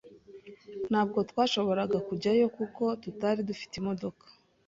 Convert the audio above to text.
Ntabwo twashoboraga kujyayo kuko tutari dufite imodoka.